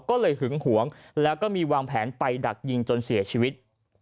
ก็เลยหึงหวงแล้วก็มีวางแผนไปดักยิงจนเสียชีวิต